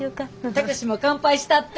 貴司にも乾杯したって。